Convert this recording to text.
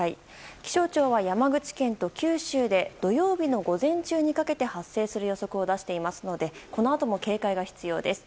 気象庁は山口県と九州で土曜日の午前中にかけて発生する予測を出していますのでこのあとも警戒が必要です。